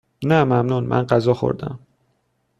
نه ممنون، من غذا خوردهام.